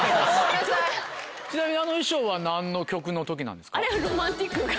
ちなみにあの衣装は何の曲の時なんですか？